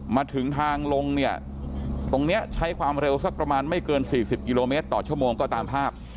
มาถึงทางลงเนี่ยตรงนี้ใช้ความเร็วสักประมาณไม่เกิน๔๐กิโลเมตรต่อชั่วโมงก็ตามภาพ